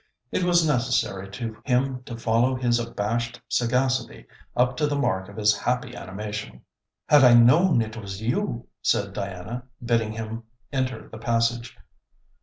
It was necessary to him to follow his abashed sagacity up to the mark of his happy animation. 'Had I known it was you!' said Diana, bidding him enter the passage.